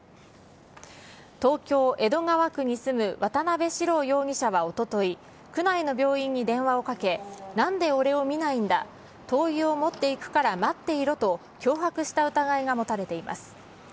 東京・江戸川区に住む渡辺志郎容疑者はおととい、区内の病院に電話をかけ、なんで俺を診ないんだ、灯油を持っていくから待っていろと、脅迫した疑いが持たれています。